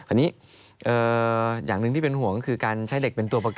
อันนี้อย่างหนึ่งที่เป็นห่วงก็คือการใช้เหล็กเป็นตัวประกัน